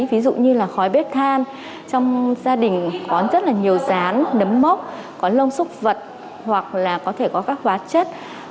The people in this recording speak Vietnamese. ví dụ như khói bếp than trong gia đình có rất nhiều rán đấm mốc lông xúc vật hoặc có thể có các hóa chất